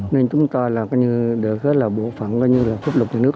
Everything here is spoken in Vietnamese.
nên chúng ta là có như đều có là bộ phận có như là phục lục nhà nước